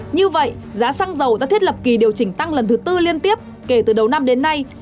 như vậy giá xăng dầu đã thiết lập kỳ điều chỉnh tăng lần thứ tư liên tiếp kể từ đầu năm đến nay